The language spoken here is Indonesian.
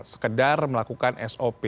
sekedar melakukan sop